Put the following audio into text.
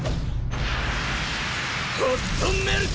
ホットメルト！